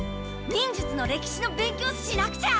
忍術のれきしの勉強しなくちゃ！